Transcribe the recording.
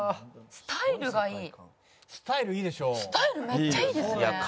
スタイルめっちゃいいですね。